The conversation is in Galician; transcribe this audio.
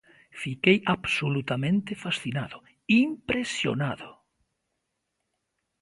Fiquei absolutamente fascinado, impresionado.